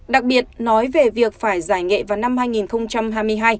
đặc biệt nói về việc phải giải nghệ vào năm hai nghìn hai mươi hai